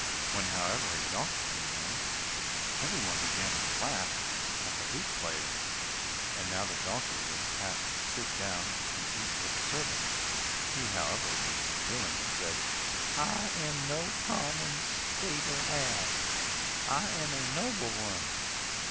When, however, a donkey came in, every one began to laugh at the lute player. And now the donkey was asked to sit down and eat with the servants. He, however, was unwilling, and said, "I am no common stable ass, I am a noble one."